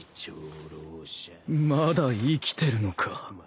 まだ生きてるのか？